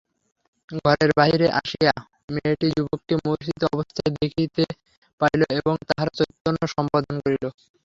ঘরের বাহিরে আসিয়া মেয়েটি যুবককে মূর্ছিত অবস্থায় দেখিতে পাইল এবং তাহার চৈতন্য সম্পাদন করিল।